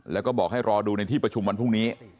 แล้วก็บอกให้รอดูในที่ประชุมวันพรุ่งนี้